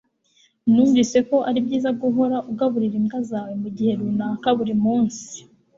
Numvise ko ari byiza guhora ugaburira imbwa yawe mugihe runaka buri munsi